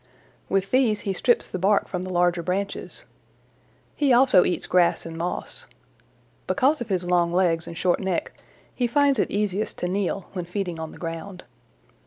With these he strips the bark from the larger branches. He also eats grass and moss. Because of his long legs and short neck he finds it easiest to kneel when feeding on the ground.